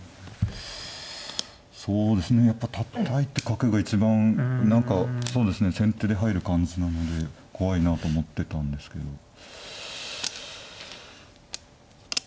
そうですねやっぱたたいて角が一番何かそうですね先手で入る感じなので怖いなと思ってたんですけど。